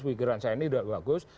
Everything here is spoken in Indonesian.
pikiran saya ini sudah bagus